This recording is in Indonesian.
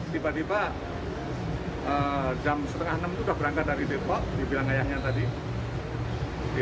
tiba tiba jam setengah enam itu sudah berangkat dari depok dibilang ayahnya tadi